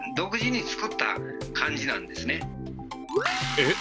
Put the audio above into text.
えっ？